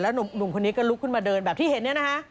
หนุ่มคนนี้ก็ลุกขึ้นมาเดินแบบที่เห็นเนี่ยนะคะ